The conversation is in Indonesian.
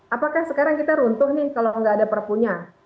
apakah sekarang kita runtuh nih kalau nggak ada perpu nya